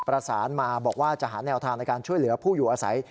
ประสานมาบอกว่าจะหาแนวทางในการช่วยเหลือผู้อยู่อาศัย